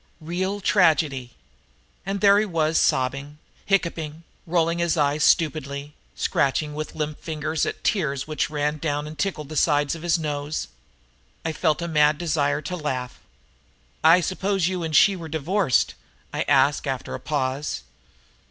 Real tragedy! And there he was sobbing, hiccuping, rolling his eyes stupidly, scratching with limp fingers at the tears which ran down and tickled the sides of his nose. I felt a mad desire to laugh. "I suppose you and she were divorced?" I asked after a pause.